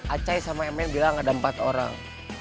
acai sama mn bilang ada empat orang